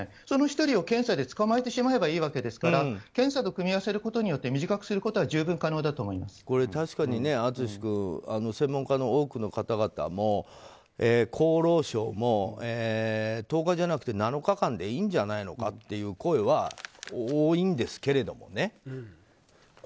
その１人を検査で捕まえてしまえばいい訳ですから検査と組み合わせることによって短くすることは確かに淳君専門家の多くの方々も厚労省も１０日じゃなくて７日間でいいんじゃないかという声は多いんですけれどもね。